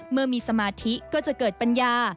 เมื่อมีสมาธิก็จะเกิดปัญญา